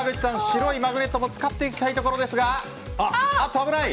白いマグネットも使っていきたいところですがあっと危ない。